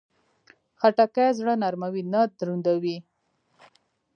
خټکی زړه نرموي، نه دروندوي.